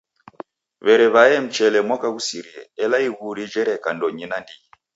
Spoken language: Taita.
W'erew'ae mchele mwaka ghusirie ela iguri jereka ndonyi nandighi.